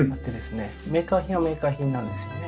メーカー品はメーカー品なんですよね。